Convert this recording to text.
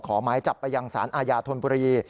ขอไม้จับไปยังศาลอาญาธนบุรี